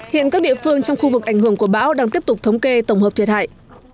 hiện các địa phương trong khu vực ảnh hưởng của bão đang tiếp tục thống kê tổng hợp thiệt hại